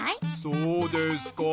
そうですか。